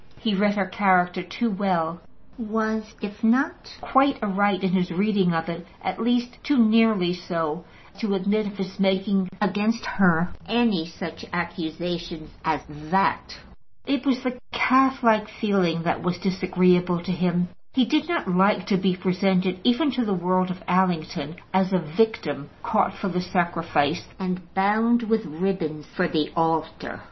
He read her character too well; was, if not quite aright in his reading of it, at least too nearly so to admit of his making against her any such accusation as that. It was the calf like feeling that was disagreeable to him. He did not like to be presented, even to the world of Allington, as a victim caught for the sacrifice, and bound with ribbon for the altar.